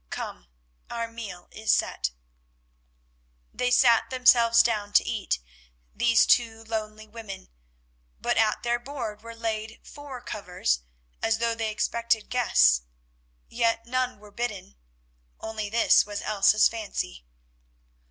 Come, our meal is set." They sat themselves down to eat, these two lonely women, but at their board were laid four covers as though they expected guests. Yet none were bidden—only this was Elsa's fancy.